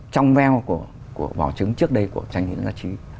trong veo của vỏ trứng trước đây của tranh nguyễn giang trí